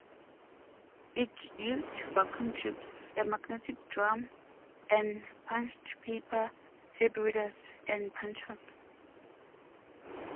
It used vacuum tubes, a magnetic drum, and punched paper tape readers and punchers.